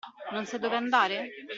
Non sai dove andare?